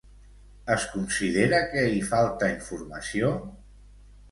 Es considera que hi falta informació?